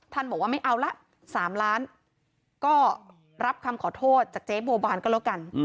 บอกว่าไม่เอาละ๓ล้านก็รับคำขอโทษจากเจ๊บัวบานก็แล้วกัน